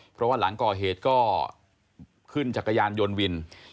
เพราะว่าหลังก่อเหตุก็ขึ้นจักรยานยนต์วิน